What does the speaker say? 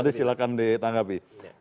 tadi silahkan ditanggapi